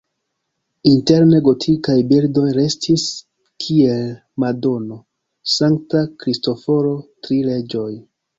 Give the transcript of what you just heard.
Interne gotikaj bildoj restis, kiel Madono, Sankta Kristoforo, Tri reĝoj.